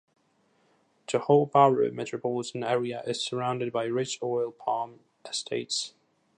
Johor Bahru metropolitan area is surrounded by rich oil palm estates.